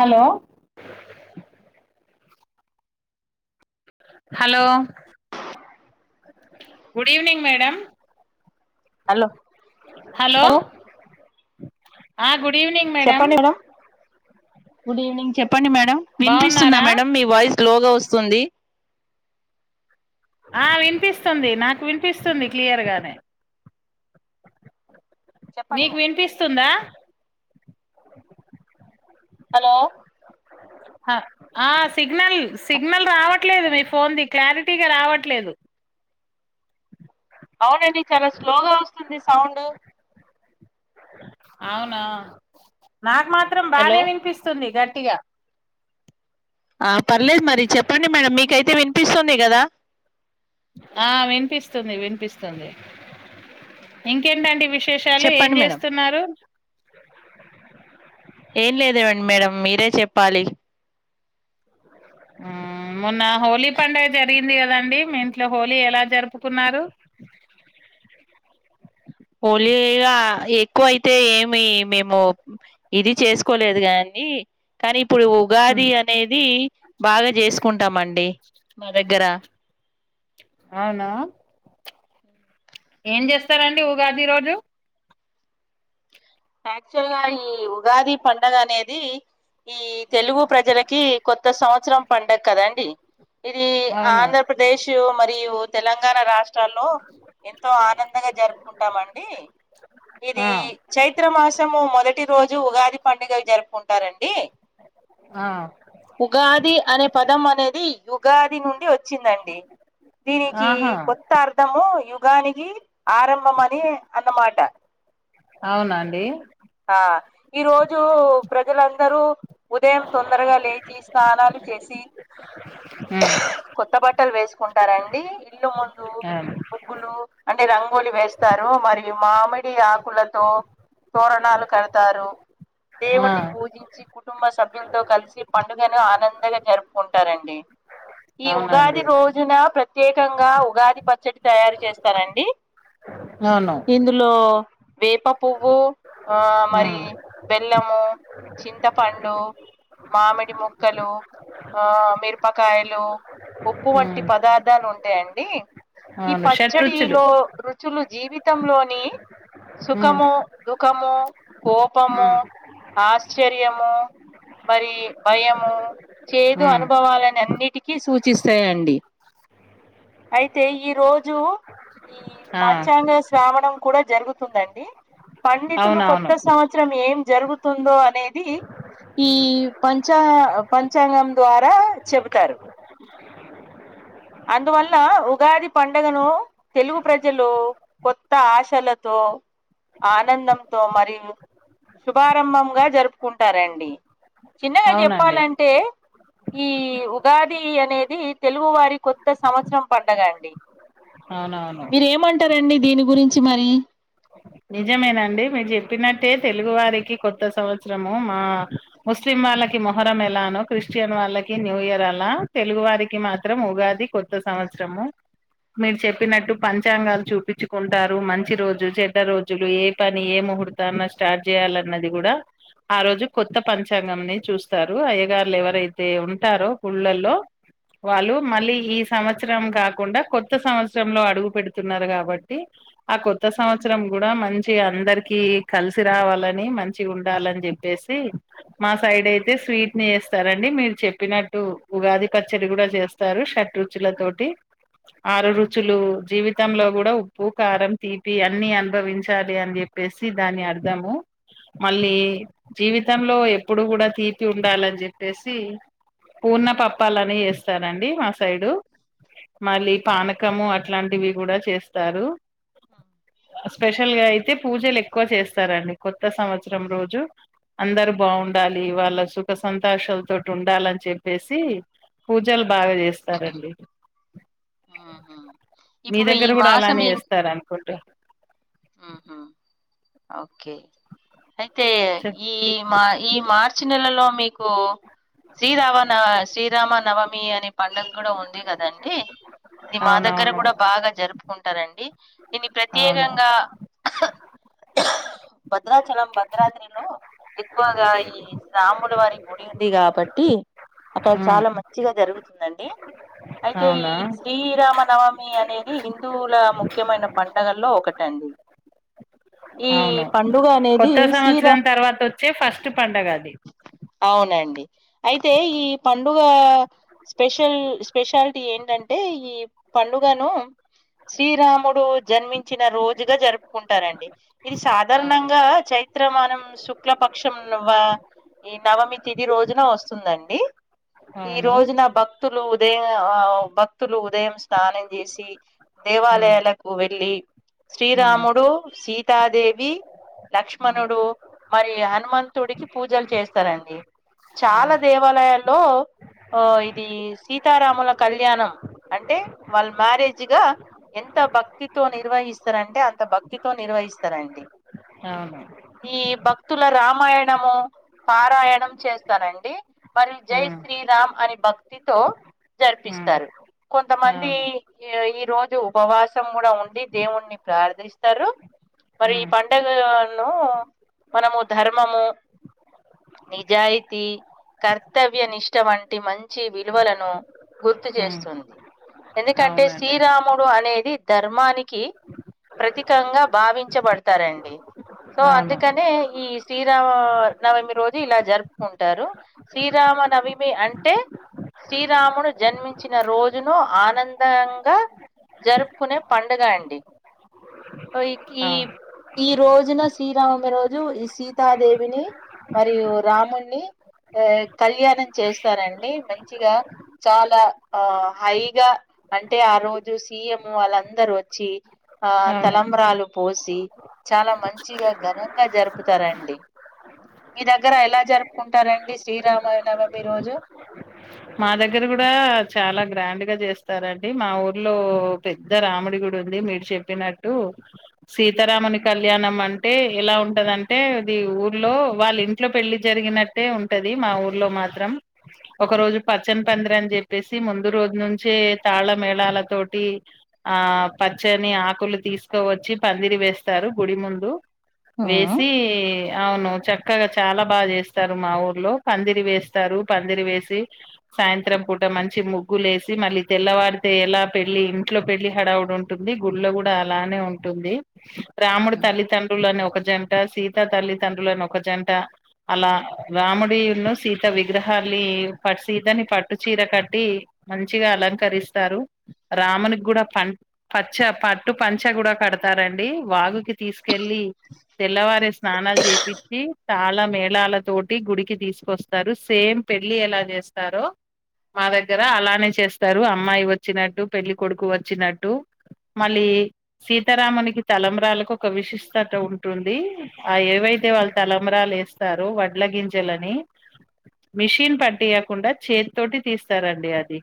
Hello hello good evening madam hello hello ఆ good evening madam చెప్పండి madam good evening చెప్ చెప్పండి madam వినిపిస్తుందా బాగున్నారా మేడం మీ వాయిస్ క్లోగా వస్తుంది ఆ వినిపిస్తుంది నాకు వినిపిస్తుంది క్లియర్ గానే చెప్పండి మీకు మేడం వినిపిస్తుందా హలో ఆ ఆ సిగ్నల్ సిగ్నల్ రావట్లేదు మీ ఫోన్ ది క్లారిటీగా రావట్లేదు అవునండి చాలా స్లో గా వస్తుంది సౌండ్ అవునా నాకు మాత్రం హలో బానే వినిపిస్తుంది గట్ గట్టిగ ఆ పర్లేదు మరి చెప్పండి మేడం మీకైతే విన్ వినిపిస్తుంది కదా ఆ వినిపిస్తుంది వినిపిస్తుంది ఇంకేంటండి విష్ విశేషాలు ఏం చెప్పండి మేడం చేస్తున్నారు ఏం లేదు వండి మేడం మీరే చెప్పాలి ఆ మొన్న హోలీ పండుగ జరిగింది కదండి మీ ఇంట్లో హోలీ ఎలా జరుపుకున్నారు హోలీ ఇగా ఎక్కువ అయితే ఏమి మేము ఇది చేసుకోలేదు కానీ కానీ ఇప్పుడు ఉగాది అనేది బాగా చేసుకుంటాం అండి మా దగ్గరా అవునా ఏం చేస్తారండి ఉగాది రోజు యాక్చువల్ గా ఈ ఉగాది పండగ అనేది ఈ తెలుగు ప్రజలకీ కొత్త సంవత్సరం పండగ కదండి ఇది అవును ఆంధ్రప్రదేశు మ మరియూ తెలంగాణ రాష్ట్ర చ్చలో ఎంతో ఆనందంగా జరుపుకుంటామండీ ఇది ఆ చైత్ మాసము మొదటి రోజు ఉగాది పండుగ జరుపుకుంట ారండి ఆ ఉగాది అనే పదం అనేది యుగాది నుండి వచ్చిందండి దీనికి ఆహా కొత్త అర్థము యుగ్ దానికి ఆరంభం అని అన్నమాట అవునండి ఆ ఈ రోజు ప్రజలందరూ ఉదయం తొందరగా లేచి స్నానాలు చేసి మ్మ్ క్కలు వేసుకుంటారండి ఇల్లు ముందు ఆ లు అంటే రంగోలి వేస్తారు మరియు మామిడి ఆకులతో తోరణాలు కడతారు ఆ దేవుణ్ణి పూజించి కుటుంబ సభ్యులతో కలిసి పండుగను ఆనందంగా జరుపుకుంటారండి ఈ అవునండి ఉగాది రోజున ప్రతి ప్రత్యేకంగా ఉగాది పచ్చడి తయారు చేస్తారండి అవును ఇందులో వేప ప్వు ఆ మరి ఉమ్ బెల్లము చింతపండు మామిడి ముక్కలు మిరపకాయలు ఉప్పు వంటి ఉమ్ పదార్థాలు ఉంటాయండి ఈ అవును షట్రుచులు పచ్చడిలో ర చూలు జీవితంలోని ఉమ్ సుఖము దుఃఖము కోపము ఉమ్ ఆశ్చర్యము మరి భయము చేదు ఉమ్ అనుభవాలని అన్నిటికీ సూచిస్తాయండి అయితే ఈ రోజు ఈ ఆ పంచాంగ శ్రావణం కూడా జరుగుతుందండి పండితులు కొత్త అవునవును సంవత్సరం ఏం జరుగుతుందో అనేది ఈ పంచా పంచాంగం ద్వారా చెబుతారు అందువల్ల ఉగాది పండుగను తెలుగు ప్రజలు కొత్త ఆశలతో ఆనందంతో మరియు శుభారంభంగా జరుపుకుంటారండి చిన్నగా అవునండి చెప్పాలంటే ఈ ఉగాది అనేది తెలుగు వారికి కొత్త సంవత్సరం పడ్డదండి అవునవును రండి దీని గురించి మరీ నిజమేనండి మీరు చెప్పినట్టే తెలుగువారికి కొత్త సంవత్సరము మా ముస్లిం వాళ్ళకి మొహరం ఎలానో క్రిస్టియన్ వాళ్ళకి న్యూ ఇయర్ అలా తెలుగువారికి మాత్రం ఉగాది కొత్త సంవత్సరము మీరు చెప్పినట్టు పంచాంగాలు చూపించుకుంటారు మంచి రోజు చె కొద్ది రోజులు ఏ పని ఏ ముహూర్తాన స్టార్ట్ చేయాలన్నది కూడా ఆ రోజు కొత్త పంచాంగం ని చూస్తారు అయ్యగారులు ఎవరైతే ఉంటారో గుళ్ళలో వాళ్ళు మళ్ళీ ఈ సంవత్సరం కాకుండా కొత్త సంవత్సరంలో అడుగు పెడుతున్నారు కాబట్టి ఆ కొత్త సంవత్సర సంవత్సరం కూడా మంచి అందరికి కలిసి రావాలని మంచి ఉండాలని చెప్పేసి మా సైడ్ అయితే స్వీట్ ని ఇస్తారండి మీరు చెప్పినట్టు ఉగాది పచ్చడి కూడా చేస్తారు షడ్రుచుల తోటి ఆరు రుచులు జీవితంలో కూడా ఉప్పు కారం తీపి అన్ని అనుభవించాలి అని చెప్పేసి దాని అర్ధము మళ్ళీ జీవితంలో ఎప్పుడూ కూడా తీపి ఉండాలని చెప్పేసి పూర్ణ పప్పాలని చేస్తారండి మా సైడు మళ్ళీ పానకము అట్లాంటివి కూడా చేస్తారు స్పెషల్ గా అయితే పూజ లెక్ ఎక్కువ చేస్తారండి కొత్త సంవత్సరం రోజు అందరు బాగుండాలి వాళ్ళ సుఖ సంతోషాల తోటి ఉండాలని చెప్పేసి పూజలు బాగా చేస్తారండి ఊహు మీ ఇప్పుడు ఈ దగ్గర కూడా మాసం అలానే ఏం చేస్తారు అనుకుంట ఊహు ఓకే అయితే ఈ మా ఈ మార్చి నెలలో మీకు శ్రీరామ నవ శ్రీరామ నవమి అనే పండుగ కూడా ఉంది కదండి ఇది మా దగ్గర అవునవును కూడా బాగా జరుపుకుంటారంండి దీన్ని అవును ప్రత్యేకంగా భద్రాచలం భద్రాద్రిలో ఎక్కువగా ఈ సాముల వారి గుడి ఉంది కాబట్టి టీం అక్కడ ఉమ్ చాలా మంచిగా జరుగుతుంది అండీ అయితే ఈ అవునా శ్రీరామ నవమి అనేది ఈ హిందువుల ముఖ్యమైన పండగలు లో ఒకటండి ఈ అవును పండుగ అనేది కొత్త శ్రీరా సంవత్సరం తర్వాత వచ్చే ఫస్ట్ పండగ అది అవునండి అయితే ఈ పండుగ స్పెషల్ స్పెషాలిటీ ఏంటంటే ఈ పండుగను శ్రీరాముడు జన్మించిన రోజుగ జరుపుకుంటారండి. ఇది అవును సాధారణంగా చైత్రమాసం శుక్లపక్షం ఈ నవమి తిదిి రోజున వస్తుందండి. ఈ అవును. రోజున భక్తులు ఉదయం ఆ భక్తులు ఉదయం స్నానం చేసి ఉమ్ దేవాలయాలకు వెళ్ళి ఉమ్ శ్రీరాముడు సీత సీతాదేవి ఉమ్, లక్ష్మణుడు మరియు హనుమంతుడికి పూజలు చేస్తారండి. చాలా అవును దేవాలయాల్లో ఇది సీతారాముల కళ్యాణం అంటే వాళ్ళ మ్యారేజ్గా ఎంత భక్తితో నిర్వహిస్తారంటే అంత భక్తితో నిర్వహిస్తారు. రండి అవును ఈ భక్తుల రామ రామాయణము పారాయణం చేస్తారండి. మరి జై ఉమ్ శ్రీరామ్ అని భక్తితో ఉమ్ జరిపిస్తారు కొంతమంది అవును ఈ ఈ రోజు ఉపవాసం కూడా ఉండి దేవుణ్ణి ప్రార్థిస్తారు. మరి ఈ ఉమ్ పండుగలను మనము ధర్మము నిజాయితీ కర్తవ్య నిష్ట వంటి మంచి విలువలను గుర్తు ఉమ్ చేస్తుంది. ఎందుకంటే అవునండి శ్రీరాముడు అనే ధర్మానికి ప్రతీకంగా భావిం చబడుతారండి. సో అవును అందుకనే ఈ శ్రీరామ నవమి రోజు ఇలా జరుపుకుంటారు. శ్రీరామనవమి అంటే శ్రీరామును జన్మించిన రోజును ఆనందంగా జరుపుకునే పండుగ అండి ఈ అవును ఈ రోజున శ్రీరావమి రోజు ఈ సీతాదేవిని మరియు రాముణ్ణి ఆ కళ్యాణం చేస్తారండి. మంచిగ చాల ఆ హైగా అంటే ఆ రోజు సీఎం వాళ్ళందరు వచ్చి ఆ అవును తలంబ్రాలు పోసి చాల మంచిగా ఘనంగా జరుపుతారండి. మీ దగ్గర ఎలా జరుపుకుంటారండి శ్రీరామ నవమి రోజు మా దగ్గర కూడా చాల గ్రాండ్ గా చేస్తారండి. మా ఊర్లో పెద్ద రాముడి గుడి ఉంది మీరు చెప్పినట్టు సీతరామునికి కళ్యాణం అంటే ఎలా ఉంటదంటే ఇది ఊర్లో వాళ్ళ ఇంట్లో పెళ్లి జరిగినట్టే ఉంటది మా ఊర్లో మాత్రం ఒక రోజు పచ్చని పందిరని చెప్పేసి ముందు రోజు నుంచే తాళ్ళ మేళాల తోటి ఆ పచ్చని ఆకులు తీసుకోవచ్చి పందిరి వేస్తారు గుడి ముందు ఆ వేసి అవును చ చక్కగా చాల బాగ చేస్తారు మా ఊర్లో పందిరి వేస్తారు పందిరి వేసి సాయంత్రం పూట మంచి ముగ్గులు వేసి మళ్ళీ తెల్లవారితే ఎలా పెళ్లి ఇంట్లో పెళ్లి హడావుడి ఉంటుంది గుడిలో కూడ అలానే ఉంటుంది. రాముడు తల్లిదండ్రులు అని ఒక ఒక జంట సీత తల్లిదండ్రులను ఒక జంట అలా రాముడిను సీత విగ్రహాని ప సీతని పట్టు చీర కట్టి మంచిగా అలంకరిస్తారు రామునికి కూడ ప పచ్చ పట్టు పంచ కూడ కడతారండి వాగుకి తీసుకెళ్ళి తెల్లవారే స్నానాలు చేపిచ్చి తాళ మేళాల తోటి గుడికి తీసుకొస్తారు సేమ్ పెళ్లి ఎలా చేస్త రో మా దగ్గర అలానే చేస్తారు అమ్మాయి వచ్చినట్టు పెళ్లి కొడుకు వచ్చినట్టు మళ్ళీ సీతారామునికి తలంబ్రాలకు ఒక విశిష్టత ఉంటుంది ఆ ఏవైతే వాళ్ళు తలంబ్రాలు వేస్తారో వడ్ల గింజలని మిషిన్ పట్టియ కుండా చేత్తోటి తీస్తారండి అది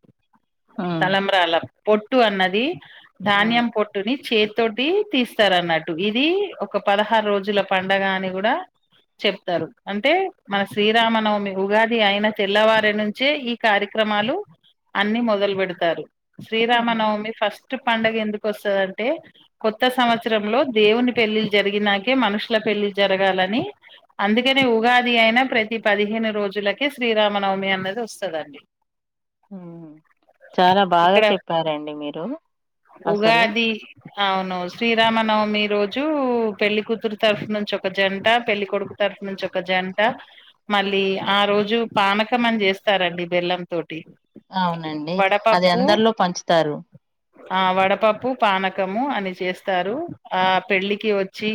తలంబ్రాల పొ ట్టు అన్నది ఆ ఆ ధాన్యం పొట్టుని చేత్తో టీ తీస్తరు అన్నట్టు ఇది ఒక పదహారు రోజుల పండగ అని కూడ చెప్తారు అంటే మన శ్రీరామనవమి ఉగాది అయిన తెల్లవారు నుంచే ఈ కార్యక్రమాలు అన్ని మొదలు పెడతారు శ్రీరామ నవమి ఫస్ట్ పండగ ఎందుకు వస్తదంటే కొత్త సంవత్సరంలో దేవుని పెళ్లిళ్లు జరిగినాకే మనుషుల పెళ్లిళ్లు జరగాలని అందుకనే ఉగాది అయిన ప్రతి పదిహేను రోజులకే శ్రీరామ నవమి అని అనేది వస్తదండి ఉమ్ చాల బాగ ఇక్కడ చెప్పారండి మీరు అసలు ఉగాది అవును శ్రీరామ నవమి మీ రోజు పెళ్లి కూతురు తరపు నుంచి ఒక జంట పెళ్లి కొడుకు తరపు నుంచి ఒక జంట మళ్ళీ ఆ రోజు పానకం అని చేస్తారండి బెల్లం తో అవునండి అది అందరిలో పంచుతారు ఆ వడపప్పు పానకము అని చేస్తారు ఆ పెళ్ళికి వచ్చి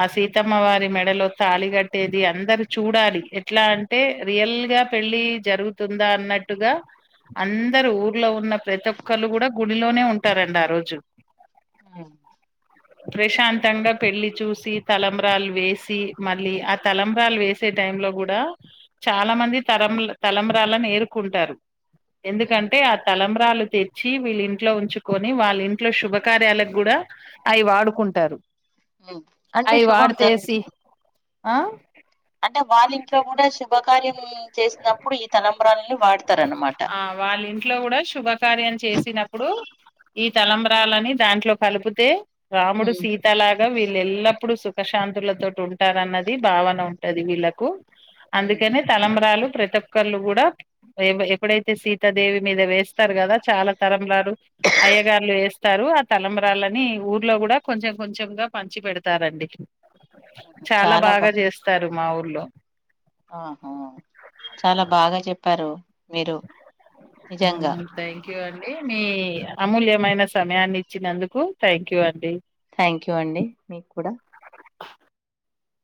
ఆ సీతమ్మ వారి మెడలో తాలి కట్టేది అందరు చూడాలి ఎట్లా అంటే రియల్గా పెళ్ళి జరుగుతుందా అన్నట్టుగా అందరు ఊర్లో ఉన్న ప్రతి ఒక్కళ్ళు కూడా గు గుల్లోనే లోనే ఉంటారండి ఆ రోజు ఉమ్, ప్రశాంతంగా పెళ్లి చూసి తలంబ్రాలు వేసి మళ్ళీ ఆ తలంబ్రాలు వేసే టై లో కూడా చాలా మంది తలం తలంబ్రాలను ఎరుకుంటారు ఉమ్, ఎందుకంటే ఆ తలంబ్రాలు తెచ్చి వీళ్ళ ఇంట్ లో ఉంచుకొని వాళ్ళ ఇంట్లో శుభకార్యాలకు కూడా అవి వాడుకుంటారు అంటే అవి శుభం వాడితేసి జరుగుతుంది ఆ అంటే వాళ్ళ ఇంట్లో కూడా శుభం శుభకార్య చేసినప్పుడు ఈ తలంబ్రాలని వాడతారనమాట ఆ వాళ్ళ ఇంట్లో కూడా శుభకార్యం చేసినప్పుడు ఈ తలంబ్రలాని దాంట్లో కలిపితే రాముడు సీత లాగా వీళ్ళ ఎల్లపుడు సుక్ ప్రశాంతుల తోటి ఉంటారున్నది భావన ఉంటది వీళ్ళలకు అందుకనే తలంబ్రాలు ప్రతిఒక్కలు కూడా ఎప్పుడైతే సీతాదేవి మీద వేస్తారు కదా చాలా తలంబ్రాలు అయ్యగార్లు వేస్తారు ఆ తలంబ్రాలని ఊర్లో కూడా కొంచెం కొంచెంగా పంచి పెడతారండి చాలా బాగా చేస్తారు మాఊర్లో ఆహా చాలా బాగా చెప్పారు మీరు నిజంగా క్యూ అండి మీ అమూల్యమైన సమయాన్ని ఇచ్చినందుకు థ్యాంక్ యూ అండి థ్యాంక్ యూ అండి మీకు కూడా